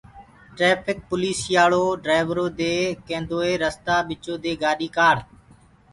ٽريڦڪ پوليٚسيآݪو ڊليورو دي ڪينٚدوئيٚ رستآ ٻچو دي گآڏي ڪآڙ